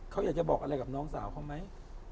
เขาอยากจะบอกอะไรกับน้องสาวเขาไหม